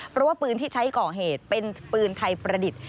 เพราะว่าปืนที่ใช้ก่อเหตุเป็นปืนไทยประดิษฐ์